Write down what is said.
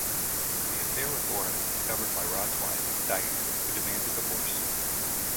The affair with Laura is discovered by Rod's wife, Diane, who demands a divorce.